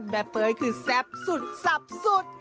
แม่เป๋ยคือแซ่บสุดซับสุด